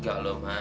gak loh ma